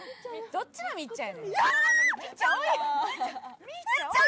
どっちのみっちゃんやねん。